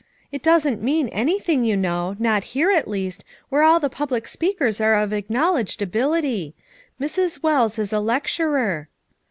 it doesn't mean anything, you know; not here at least, where all the public readers are of acknowledged ability. Mrs. Wells is a lec turer."